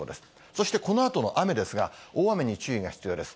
そしてこのあとの雨ですが、大雨に注意が必要です。